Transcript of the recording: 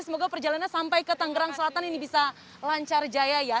semoga perjalanannya sampai ke tanggerang selatan ini bisa lancar jaya ya